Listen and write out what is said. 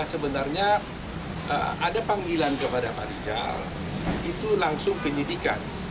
sebenarnya ada panggilan kepada pak rizal itu langsung penyidikan